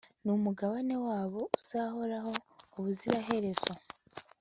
n'umugabane wabo uzahoraho ubuziraherezo